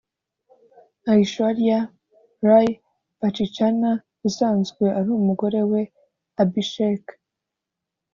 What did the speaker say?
aishwarya rai bachchan usanzwe ari umugore we abhishek